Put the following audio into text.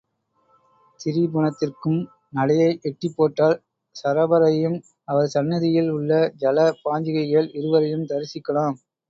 திரிபுனத்திற்கும் நடையை எட்டிப் போட்டால் சரபரையும் அவர் சந்நிதியில் உள்ள ஜல பாஞ்சிகைகள் இருவரையும் தரிசிக்கலாம்.